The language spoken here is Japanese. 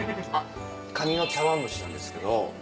カニの茶碗蒸しなんですけど。